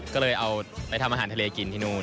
ก็เลยเอาไปทำอาหารทะเลกินที่นู่น